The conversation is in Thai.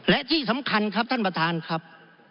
และที่สำคัญครับท่านประธานครับ